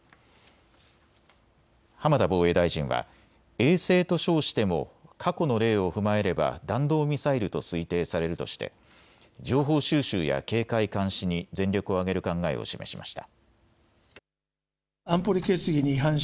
浜田防衛大臣は、衛星と称しても過去の例を踏まえれば弾道ミサイルと推定されるとして情報収集や警戒監視に全力を挙げる考えを示しました。